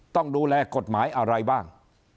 ต้องดูแลกฎหมายอะไรบ้าง